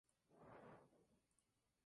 La película "Final Portrait.